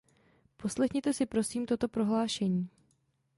Poslechněte si prosím toto prohlášení.